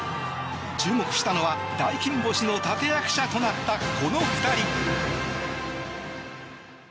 注目したのは大金星の立役者となったこの２人。